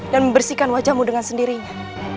dan membersihkan wajahmu dengan sendirinya